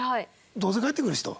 「どうせ帰ってくるし」と。